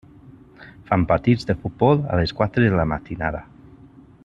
Fan partits de futbol a les quatre de la matinada.